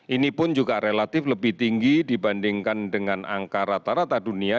ini pun juga relatif lebih tinggi dibandingkan dengan angka rata rata dunia